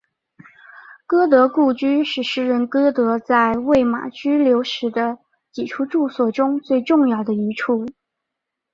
歌德故居是诗人歌德在魏玛居留时的几处住所中最重要的一处。